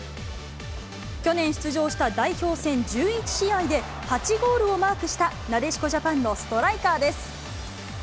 去年出場した代表戦１１試合で、８ゴールをマークした、なでしこジャパンのストライカーです。